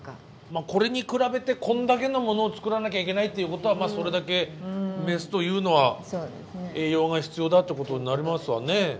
まあこれに比べてこんだけのものを作らなきゃいけないっていうことはまあそれだけメスというのは栄養が必要だってことになりますわね。